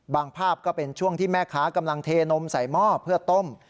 ภาพก็เป็นช่วงที่แม่ค้ากำลังเทนมใส่หม้อเพื่อต้ม